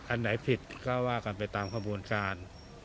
อันไหนผิดก็ว่ากันไปตามขบวนการ